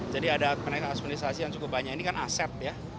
jadi ada penyandang administrasi yang cukup banyak ini kan aset ya